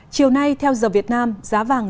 chiều nay theo giờ việt nam giá vàng gần một đồng